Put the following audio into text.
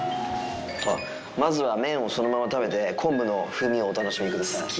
「まずは麺をそのまま食べて昆布の風味をお楽しみ下さい」。